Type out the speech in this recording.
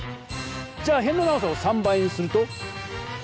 じゃあへんの長さを３倍にすると？